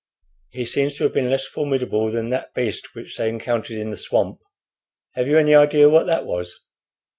"He seems to have been less formidable than that beast which they encountered in the swamp. Have you any idea what that was?"